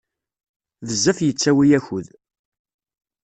Bezzef yettawi akud.